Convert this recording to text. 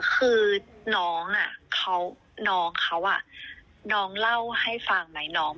คือน้องน่ะเขาน้องเล่าให้ฟังไหม